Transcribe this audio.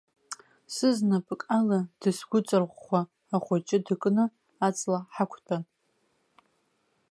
Сызнапык ала дысгәыҵарӷәӷәа ахәыҷы дыкны, аҵла ҳақәтәан.